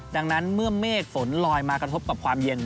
ดังนั้นเมื่อเมฆฝนลอยมากระทบกับความเย็น